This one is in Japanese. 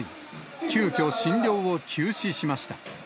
急きょ、診療を休止しました。